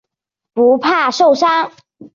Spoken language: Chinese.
不怕受伤。